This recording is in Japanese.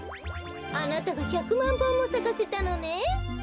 あなたが１００まんぼんもさかせたのねん。